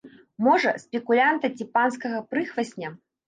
Можа, спекулянта ці панскага прыхвасня.